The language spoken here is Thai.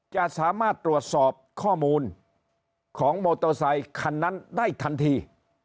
จะสามารถตรวจสอบข้อมูลของมอเตอร์ไซคันนั้นได้ทันที